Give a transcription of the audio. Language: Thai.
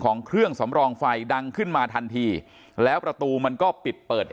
ของเครื่องสำรองไฟดังขึ้นมาทันทีแล้วประตูมันก็ปิดเปิด